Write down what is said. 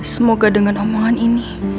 semoga dengan omongan ini